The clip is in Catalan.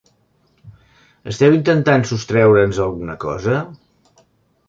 Esteu intentant sostreure'ns alguna cosa?